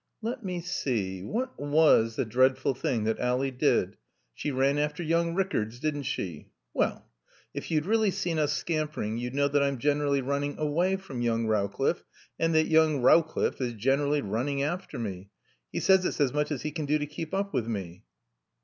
"Let me see. What was the dreadful thing that Ally did? She ran after young Rickards, didn't she? Well if you'd really seen us scampering you'd know that I'm generally running away from young Rowcliffe and that young Rowcliffe is generally running after me. He says it's as much as he can do to keep up with me."